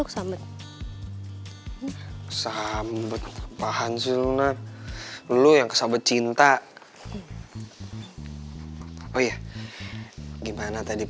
saya uma tuh kayak irgendwo ada abang abang